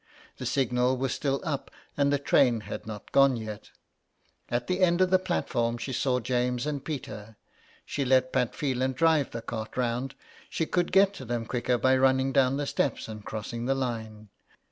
The signal was still up, and the train had not gone yet; at the end of the platform she saw James and Peter. She let Pat Phelan drive the cart round ; she could get to them quicker by running down the steps and crossing the line.